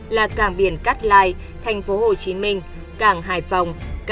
là càng biển cát lai thành phố hồ chí minh càng hải phòng